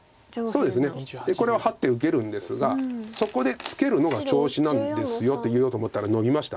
そうですねこれはハッて受けるんですがそこでツケるのが調子なんですよと言おうと思ったらノビました。